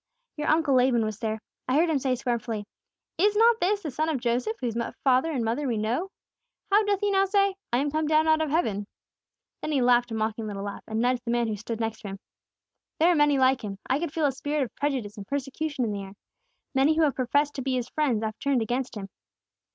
Your uncle Laban was there. I heard him say scornfully: 'Is not this the son of Joseph, whose father and mother we know? How doth He now say, "I am come down out of heaven"?' Then he laughed a mocking little laugh, and nudged the man who stood next to him. There are many like him; I could feel a spirit of prejudice and persecution in the very air. Many who have professed to be His friends have turned against Him."